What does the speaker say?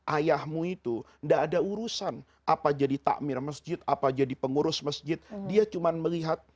ayahmu itu enggak ada urusan apa jadi takmir masjid apa jadi pengurus masjid dia cuma melihat